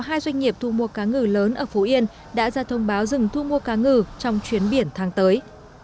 hai doanh nghiệp thu mua cá ngừ lớn ở phú yên đã ra thông báo dừng thu mua cá ngừ trong chuyến biển tháng tới